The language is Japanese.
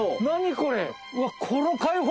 何これ！